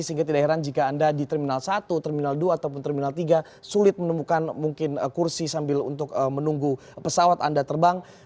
sehingga tidak heran jika anda di terminal satu terminal dua ataupun terminal tiga sulit menemukan mungkin kursi sambil untuk menunggu pesawat anda terbang